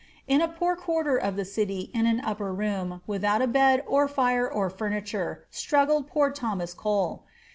In a poor quarter of the city, in an upper room, without a bed or fire or furniture, struggled poor Thomas Cole.